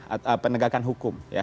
atau penegakan hukum ya